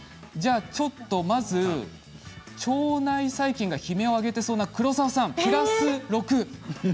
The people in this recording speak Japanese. ちょっと腸内細菌が悲鳴を上げていそうな黒沢さん、プラス６。